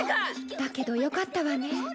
だけどよかったわね。